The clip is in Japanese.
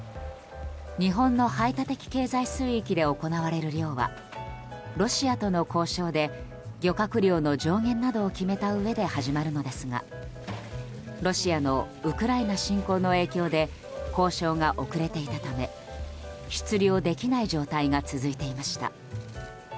日本の排他的経済水域で行われる漁はロシアとの交渉で漁獲量の上限などを決めたうえで始まるのですがロシアのウクライナ侵攻の影響で交渉が遅れていたため出漁できない状態が続いていました。